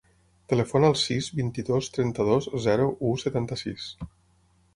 Telefona al sis, vint-i-dos, trenta-dos, zero, u, setanta-sis.